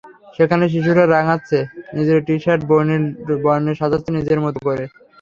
সেখানে শিশুরা রাঙাচ্ছে নিজের টি-শার্ট, বর্ণিল বর্ণে সাজাচ্ছে নিজের মতো করে।